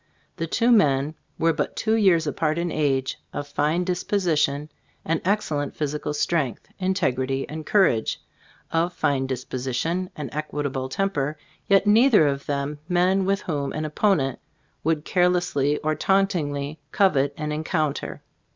The two men were but two years apart in age, of fine disposition and excellent physical strength, integrity and cour age; of fine disposition and equable temper ; yet neither of them men with whom an opponent would carelessly or tauntingly covet an encounter.